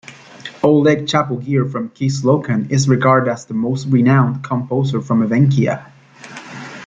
Oleg Chapogir from Kislokan is regarded as the most renowned composer from Evenkia.